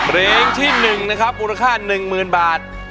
เรงที่๑นะครับอุณหภาษณ์๑๐๐๐บาท